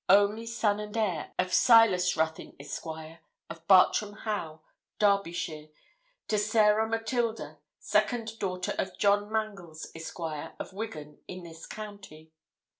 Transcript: only son and heir of Silas Ruthyn, Esq., of Bartram Haugh, Derbyshire, to Sarah Matilda, second daughter of John Mangles, Esq., of Wiggan, in this county.'